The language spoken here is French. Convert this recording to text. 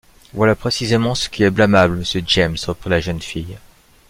Voilà précisément ce qui est blâmable, monsieur James, reprit la jeune fille.